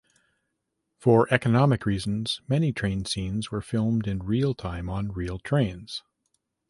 For economic reasons many train scenes were filmed in real time on real trains.